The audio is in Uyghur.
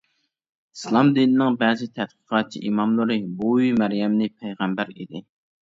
ئىسلام دىنىنىڭ بەزى تەتقىقاتچى ئىماملىرى بۈۋى مەريەمنى پەيغەمبەر ئىدى.